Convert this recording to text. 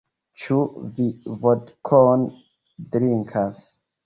Ĉu vi vodkon drinkas?